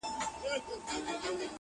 ټوله ښکلا ورڅخه واخلي -